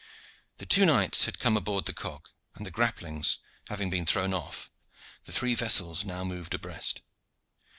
The two knights had come aboard the cog, and the grapplings having been thrown off, the three vessels now moved abreast.